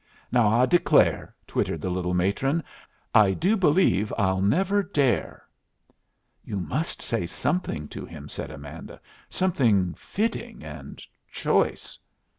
"Now I declare!" twittered the little matron. "I do believe I'll never dare." "You must say something to him," said Amanda; "something fitting and choice."